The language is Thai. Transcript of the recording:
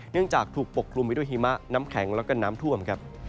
เนื่องจากถูกปกครุมไปด้วยฮีมะน้ำแข็งและกับน้ำท่วม